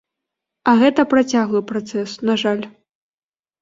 А гэта працяглы працэс, на жаль.